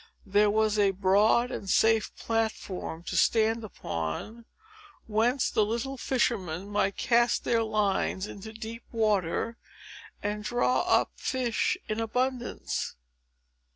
There was a broad and safe platform to stand upon, whence the little fishermen might cast their lines into deep water, and draw up fish in abundance.